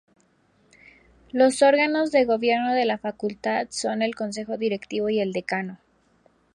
Los órganos de gobierno de la facultad son el Consejo Directivo y el Decano.